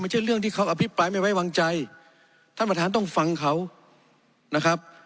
ไม่ใช่เรื่องที่เขาอภิปรายไม่ไว้วางใจท่านประธานต้องฟังเขานะครับ